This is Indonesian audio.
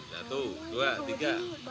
satu dua tiga